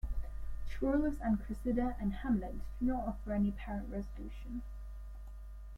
"Troilus and Cressida" and "Hamlet" do not offer any apparent resolution.